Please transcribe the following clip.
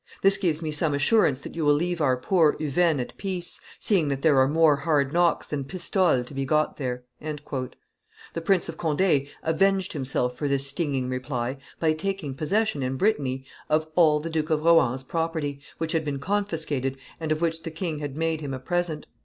This gives me some assurance that you will leave our poor Uvennes at peace, seeing that there are more hard knocks than pistoles to be got there." The Prince of Conde avenged himself for this stinging reply by taking possession, in Brittany, of all the Duke of Rohan's property, which had been confiscated, and of which the king had made him a present.